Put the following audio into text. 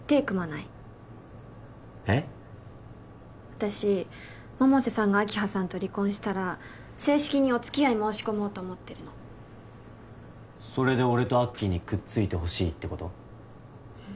私百瀬さんが明葉さんと離婚したら正式にお付き合い申し込もうと思ってるのそれで俺とアッキーにくっついてほしいってこと？